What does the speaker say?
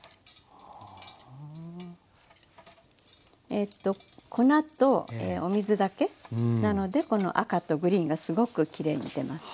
ええと粉とお水だけなのでこの赤とグリーンがすごくきれいに出ます。